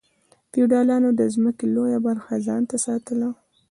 فیوډالانو د ځمکو لویه برخه ځان ته ساتله.